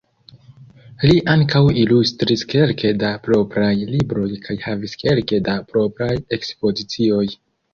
Li ankaŭ ilustris kelke da propraj libroj kaj havis kelke da propraj ekspozicioj.